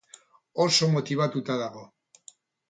Oso motibatuta dago.